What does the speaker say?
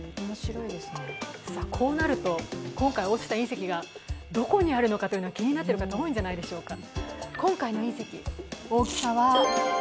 こうなると、今回落ちた隕石がどこにあるのか気になっている方、多いんじゃないでしょうか。